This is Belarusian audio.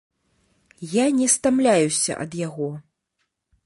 Я не стамляюся ад яго.